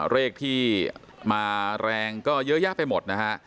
เลขที่มาแรงก็เยอะแยะไปหมดนะฮะ